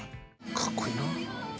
かっこいいな。